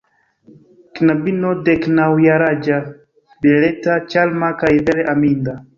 Knabino deknaŭjaraĝa, beleta, ĉarma kaj vere aminda.